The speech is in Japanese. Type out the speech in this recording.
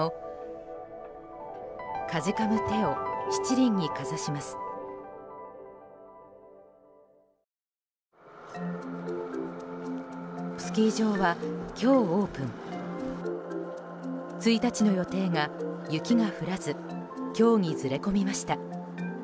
１日の予定が雪が降らず今日にずれ込みました。